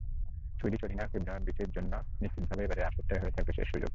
Swedish অধিনায়ক ইব্রাহিমোভিচের জন্য নিশ্চিতভাবে এবারের আসরটাই হয়ে থাকবে শেষ সুযোগ।